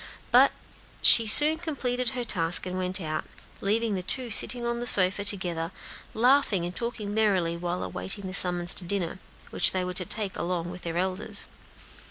But she soon completed her task, and went out, leaving the two sitting on the sofa together, laughing and talking merrily while awaiting the summons to dinner, which they were to take that day along with their elders.